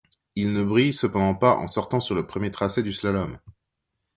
Il ne brille cependant pas en sortant sur le premier tracé du slalom.